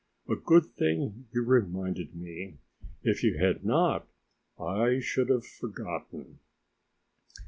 A good thing you reminded me; if you had not, I should have forgotten."